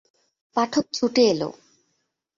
পাঠক ছুটে এল।